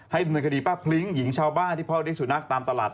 ดำเนินคดีป้าพลิ้งหญิงชาวบ้านที่พ่อเลี้ยสุนัขตามตลาด